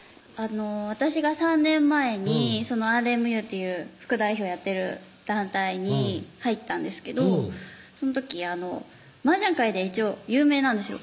私が３年前にＲＭＵっていう副代表やってる団体に入ったんですけどその時麻雀界で一応有名なんですよ